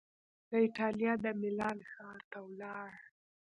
د ایټالیا د میلان ښار ته ولاړ